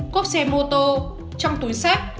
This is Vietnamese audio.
cốp xe mô tô trong túi xách